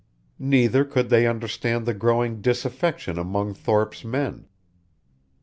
Neither could they understand the growing disaffection among Thorpe's men.